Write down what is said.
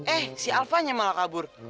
eh si alphanya malah kabur